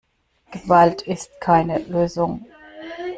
Gewalt ist keine Lösung.